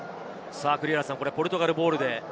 ポルトガルボールで。